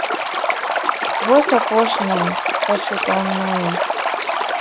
Вось апошняя, пачутая мною.